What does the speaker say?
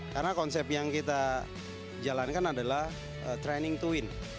karena konsep yang kita jalankan adalah training twin